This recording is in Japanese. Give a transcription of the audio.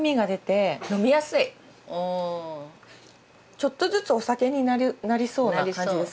ちょっとずつお酒になりそうな感じです。